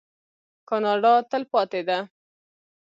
کاناډا تلپاتې ده.